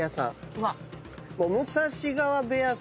うわっ。